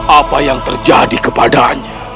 apa yang terjadi kepadanya